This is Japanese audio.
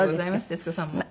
徹子さんも？